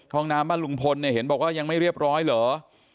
ห้องน้ำบ้านลุงพลเนี่ยเห็นบอกว่ายังไม่เรียบร้อยเหรอ